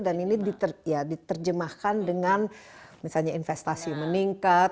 ini diterjemahkan dengan misalnya investasi meningkat